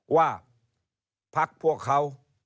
ว่าพักพวกเขา